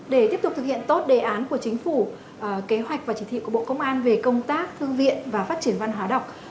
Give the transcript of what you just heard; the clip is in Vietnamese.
để tiếp tục thực hiện tốt đề án của chính phủ kế hoạch và chỉ thị của bộ công an về công tác thư viện và phát triển văn hóa đọc